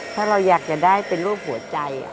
ถ้าเราอยากจะได้เป็นรูปหัวใจ